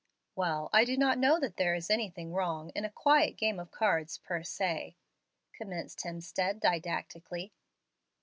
"Well, I do not know that there is anything wrong in a 'quiet game of cards,' per se" commenced Hemstead, didactically.